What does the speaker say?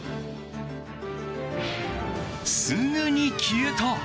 すぐに消えた！